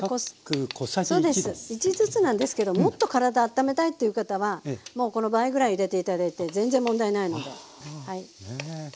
１ずつなんですけどもっと体あっためたいという方はもうこの倍ぐらい入れて頂いて全然問題ないので。